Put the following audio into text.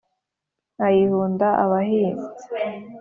ayihunda abahinza,